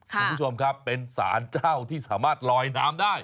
คุณผู้ชมครับเป็นสารเจ้าที่สามารถลอยน้ำได้